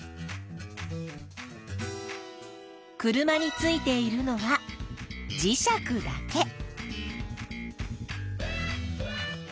車についているのは磁石だけ。